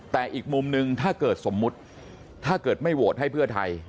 แต่อีกมุมนึงถ้าเกิดสมมุติถ้าเกิดไม่โหวตให้เพื่อไทย